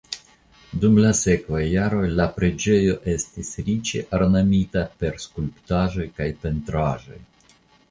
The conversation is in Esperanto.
Dum la sekvaj jaroj la preĝejo estis riĉe ornamita per skulptaĵoj kaj pentraĵoj.